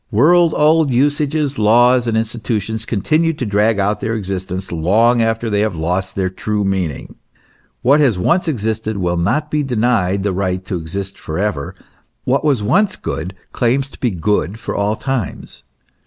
World old usages, laws, and institutions, continue to drag out their existence long after they have lost their true meaning. What has once existed will not be denied the right to exist for ever ; what was once good, claims to be good for all times.